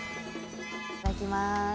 いただきます。